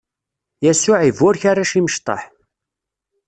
Yasuɛ iburek arrac imecṭaḥ.